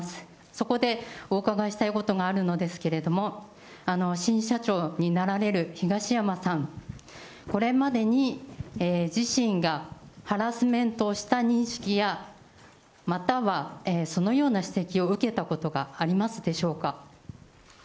そこでお伺いしたいことがあるのですけれども、新社長になられる東山さん、これまでに自身がハラスメントをした認識や、またはそのような指摘を受けたことがありますでしょうか。